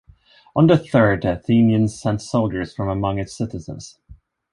On the third, the Athenians sent soldiers from among its citizens.